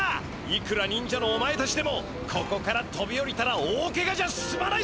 いくらにんじゃのお前たちでもここからとびおりたら大けがじゃすまないぜ！